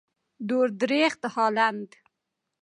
دور درېخت هالنډ.